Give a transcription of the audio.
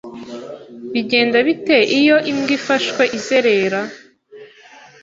Bigenda bite iyo imbwa ifashwe izerera?